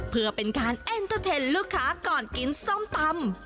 เพื่อเป็นการเอ็นเตอร์เทนลูกค้าก่อนกินส้มตำ